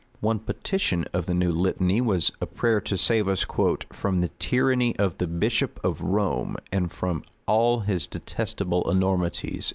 One petition of the new litany was a prayer to save us "from the tyranny of the bishop of Rome, and from all his detestable enormities."